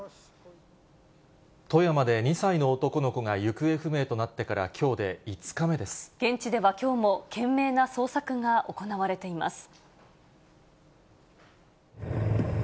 富山で２歳の男の子が行方不明となってから、現地ではきょうも、懸命な捜索が行われています。